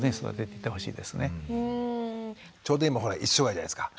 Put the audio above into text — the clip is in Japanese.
ちょうど今一緒ぐらいじゃないですか。